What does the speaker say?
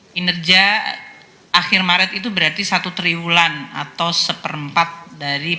kinerja akhir maret itu berarti satu triwulan atau seperempat dari